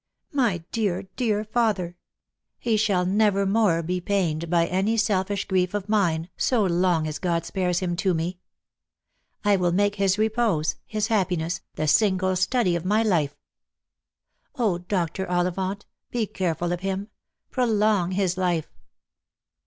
My dear, dear father ! He shall never more be pained by any selfish grief of mine, so long as God spares him to me. I will make his repose, his happiness, the single study of my life. Dr. Ollivant, be careful of him — prolong his life."